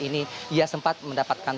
ini ia sempat mendapatkan